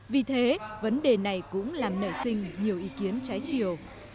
vì thế vấn đề này cũng làm nảy sinh nhiều ý kiến trái chiều